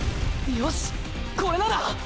よしこれなら！